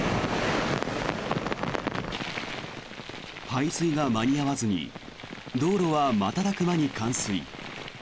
排水が間に合わずに道路は瞬く間に冠水。